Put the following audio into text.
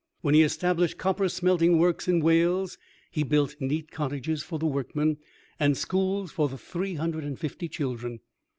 When he established copper smelting works in Wales, he built neat cottages for the workmen, and schools for the three hundred and fifty children.